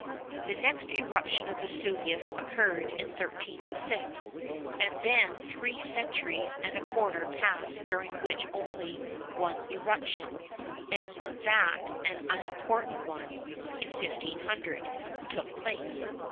The next eruption of Vesuvius occurred in 1306; and then three centuries and a quarter passed during which only one eruption, and that an unimportant one (in 1500), took place.